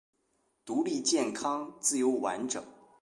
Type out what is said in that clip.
独立健康自由完整